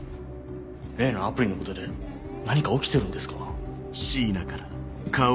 例のアプリのことで何か起きてるんですか？